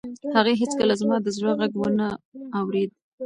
هغې هیڅکله زما د زړه غږ و نه اورېد.